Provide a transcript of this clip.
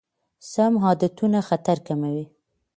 سم عادتونه خطر کموي.